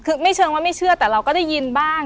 คือไม่เชิงว่าไม่เชื่อแต่เราก็ได้ยินบ้าง